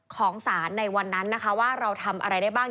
ของศาลในวันนั้นนะคะว่าเราทำอะไรได้บ้าง